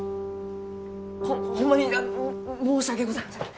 ホンマに申し訳ございません。